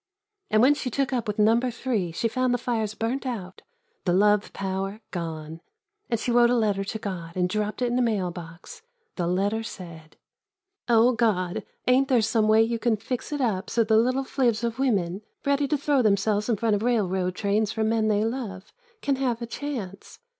And when she took up with Number Three she found the fires burnt out, the love power, gone. And she wrote a letter to God and dropped it in a mail box. The letter said: God, ain't there some way you can fix it up so the little fiivs of women, ready to throw themselves in front of railroad trains for men they love, can have a chance?